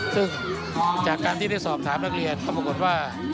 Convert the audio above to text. ซึ่งจากการที่ได้สอบถามนักเรียนก็ปรากฏว่า